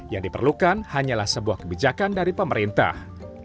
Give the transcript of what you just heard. yang diperlukan hanyalah sebuah kebijakan dari pemerintah